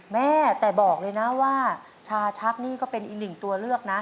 แม่แต่บอกเลยนะว่าชาชักนี่ก็เป็นอีกหนึ่งตัวเลือกนะ